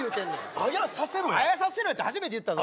あやさせろって初めて言ったぞ。